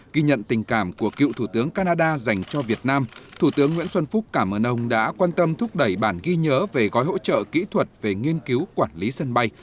ghi nhận tình cảm của cựu thủ tướng canada dành cho việt nam thủ tướng nguyễn xuân phúc cảm ơn ông đã quan tâm thúc đẩy bản ghi nhớ về gói hỗ trợ kỹ thuật về nghiên cứu quản lý sân bay